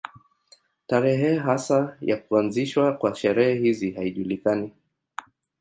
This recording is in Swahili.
Tarehe hasa ya kuanzishwa kwa sherehe hizi haijulikani.